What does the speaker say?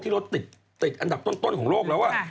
รถติดอันดับต้นของโลกแล้ว